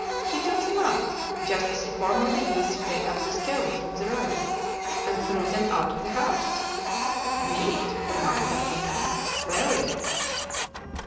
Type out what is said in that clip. He took them up, just as he formerly used to take up the stones from the road, and threw them out of the house." "Neat," remarked D'Artagnan. "Very!"